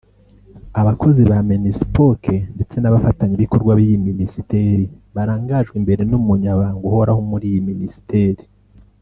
Abakozi ba Minispoc ndetse n’abafatanyabikorwa b’iyi minisiteri barangajwe imbere n’umunyamabanga uhoraho muri iyi minisiteri